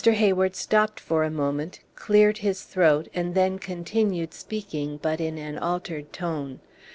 Hayward stopped for a moment, cleared his throat, and then continued speaking, but in an altered tone.